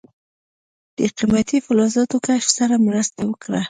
د قیمتي فلزاتو کشف سره مرسته وکړه.